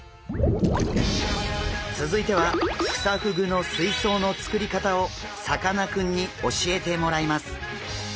続いてはクサフグの水槽の作り方をさかなクンに教えてもらいます！